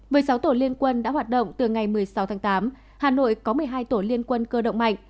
với sáu tổ liên quân đã hoạt động từ ngày một mươi sáu tháng tám hà nội có một mươi hai tổ liên quân cơ động mạnh